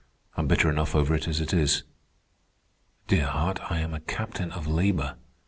I'm bitter enough over it as it is. Dear heart, I am a captain of labor.